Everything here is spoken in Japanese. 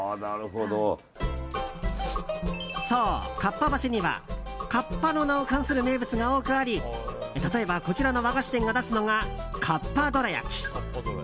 そう、合羽橋にはカッパの名を冠する名物が多くあり例えばこちらの和菓子店が出すのがかっぱどら焼き。